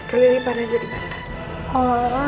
kalo ini parah jadi mata